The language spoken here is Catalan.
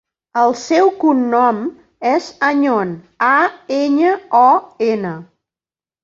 El seu cognom és Añon: a, enya, o, ena.